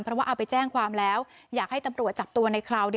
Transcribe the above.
เพราะว่าเอาไปแจ้งความแล้วอยากให้ตำรวจจับตัวในคราว